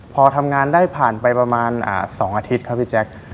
พอทำงานได้ผ่านไปประมาณ๒อาทิตย์ครับพี่แจ๊ค